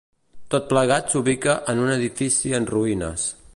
Tot plegat s'ubica en un edifici en ruïnes.